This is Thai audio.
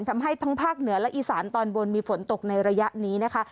ทำให้ทั้งภาคเหนือและอีสานตอนบนมีฝนตกในระยะนี้นะคะ